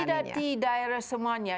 sudah tapi tidak di daerah semuanya